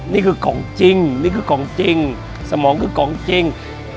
นี่คือของจริงนี่คือของจริงสมองคือของจริง